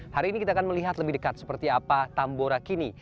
hari ini kita akan melihat lebih dekat seperti apa tambora kini